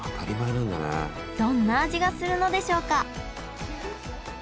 どんな味がするのでしょうか？